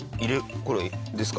これですか？